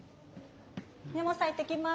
宮本さん行ってきます。